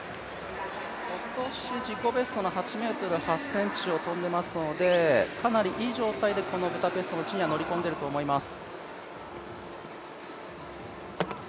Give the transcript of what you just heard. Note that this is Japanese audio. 今年、自己ベストの８ｍ８ｃｍを跳んでいますのでかなりいい状態でブダペストの地に乗り込んでいると思います。